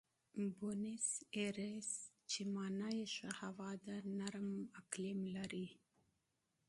بونیس ایرس چې مانا یې ښه هوا ده، نرم اقلیم لري.